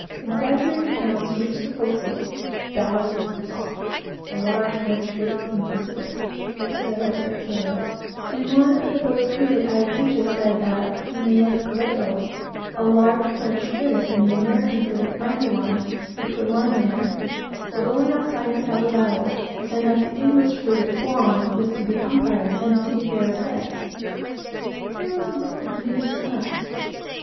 Exaggerated accounts reached the forecastle. Battles had been fought, a large French fleet was in the Pacific, etc., etc.; and one of the boat's crew of the Ayacucho said that when they left Callao, a large French frigate and the American frigate Brandywine, which were lying there, were going outside to have a battle, and that the English frigate Blonde was to be umpire, and see fair play. Here was important news for us.